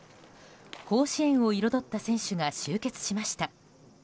甲子園を彩った選手が集結しました。